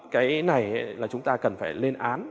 cái này là chúng ta cần phải lên án